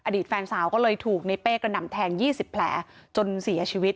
แฟนสาวก็เลยถูกในเป้กระหน่ำแทง๒๐แผลจนเสียชีวิต